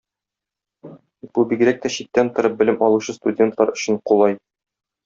Бу бигрәк тә читтән торып белем алучы студентлар өчен кулай.